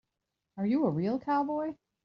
Are you a real cowboy?